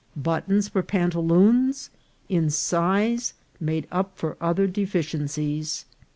Buttons for pantaloons, in size, made up for other deficiencies.